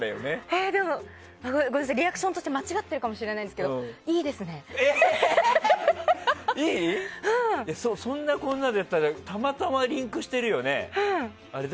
リアクションとして間違ってるかもしれないんですけどそんなこんなでやってたらたまたまリンクしてるよね。